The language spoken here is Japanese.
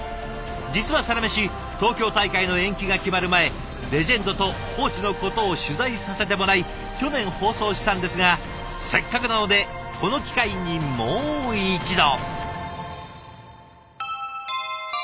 実は「サラメシ」東京大会の延期が決まる前レジェンドとコーチのことを取材させてもらい去年放送したんですがせっかくなのでこの機会にもう一度。